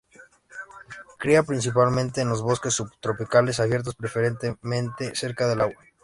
Cría principalmente en los bosques subtropicales abiertos, preferentemente cerca del agua.